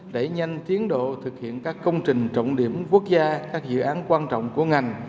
đẩy nhanh tiến độ thực hiện các công trình trọng điểm quốc gia các dự án quan trọng của ngành